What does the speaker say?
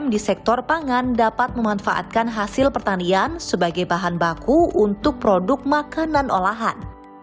bapak sehat sehat juga dapat memanfaatkan hasil pertanian sebagai bahan baku untuk produk makanan olahan